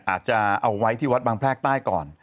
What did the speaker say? อาจจะเอาไว้ที่วัดบางแพรกใต้ก่อน